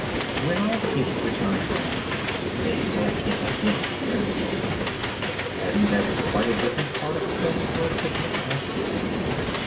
When all the people returned home, they said it had been very romantic, and that it was quite a different sort of thing to a pic nic or tea party.